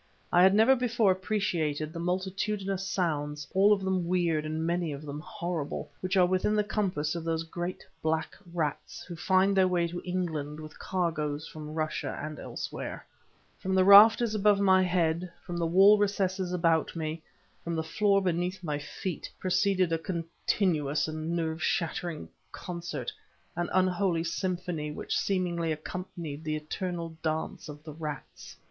I had never before appreciated the multitudinous sounds, all of them weird and many of them horrible, which are within the compass of those great black rats who find their way to England with cargoes from Russia and elsewhere. From the rafters above my head, from the wall recesses about me, from the floor beneath my feet, proceeded a continuous and nerve shattering concert, an unholy symphony which seemingly accompanied the eternal dance of the rats.